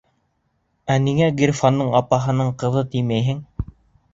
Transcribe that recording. Ә ниңә Ғирфандың апаһының ҡыҙы, тимәйһең?